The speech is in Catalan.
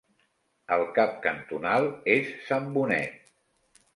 El cap cantonal és Sant Bonet.